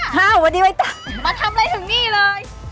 สวัสดีค่ะมาทำไรถึงนี่เลย